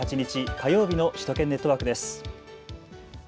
火曜日の首都圏ネットワークです。